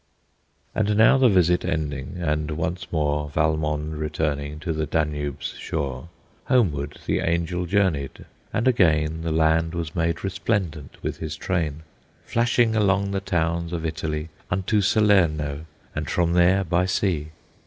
And now the visit ending, and once more Valmond returning to the Danube's shore, Homeward the Angel journeyed, and again The land was made resplendent with his train, Flashing along the towns of Italy Unto Salerno, and from there by sea.